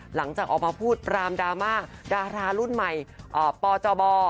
หลังจากออกมาพูดปรามดราม่าดารารุ่นใหม่ปจบ